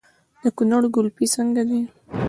د کونړ ګلپي څنګه ده؟